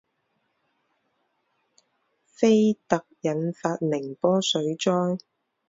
菲特引发宁波水灾。